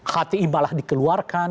hti malah dikeluarkan